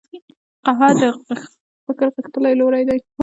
قهوه د فکر غښتلي لوری دی